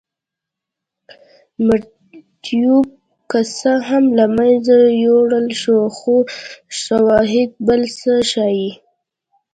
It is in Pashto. مریتوب که څه هم له منځه یووړل شو خو شواهد بل څه ښيي.